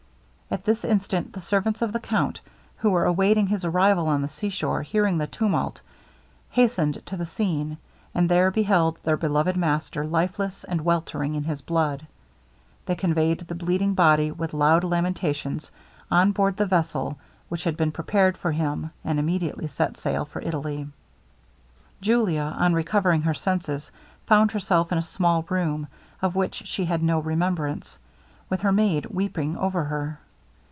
At this instant the servants of the count, who were awaiting his arrival on the seashore, hearing the tumult, hastened to the scene, and there beheld their beloved master lifeless and weltering in his blood. They conveyed the bleeding body, with loud lamentations, on board the vessel which had been prepared for him, and immediately set sail for Italy. Julia, on recovering her senses, found herself in a small room, of which she had no remembrance, with her maid weeping over her.